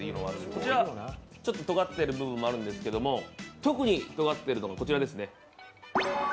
こちらはちょっととがってる部分があるんですけど、特にとがっているのがこちらです。